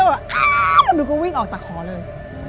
แล้วหนูก็วิ่งออกจากหอเลย